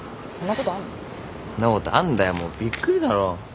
んなことあんだよもうびっくりだろ。